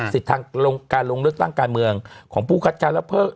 สิทธิ์ทางลงการลงเลือกตั้งของผู้คัตคารนะ